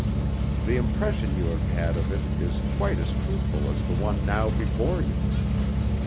The impression you have had of it is quite as truthful as the one now before you.